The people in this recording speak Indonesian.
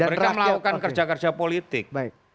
mereka melakukan kerja kerja politik